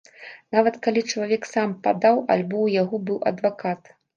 Нават калі чалавек сам падаў, альбо ў яго быў адвакат.